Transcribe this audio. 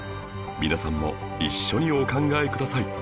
皆さんも一緒にお考えください